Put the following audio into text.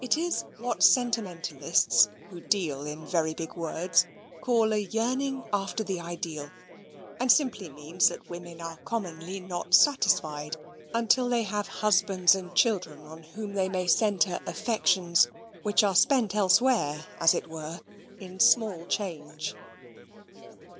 It is what sentimentalists, who deal in very big words, call a yearning after the Ideal, and simply means that women are commonly not satisfied until they have husbands and children on whom they may centre affections, which are spent elsewhere, as it were, in small change.